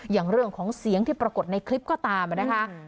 อย่างเรื่องของเสียงที่ปรากฏในคลิปก็ตามนะคะ